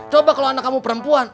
coba kalau anak kamu perempuan